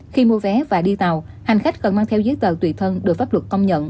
khi mua vé và đi tàu hành khách cần mang theo giấy tờ tùy thân được pháp luật công nhận